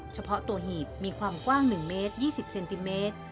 เฉพาะตัวหีบมีความกว้าง๑เมตร๒๐เซนติเมตร